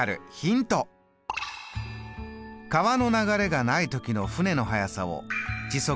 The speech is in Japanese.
川の流れがない時の舟の速さを時速ｋｍ。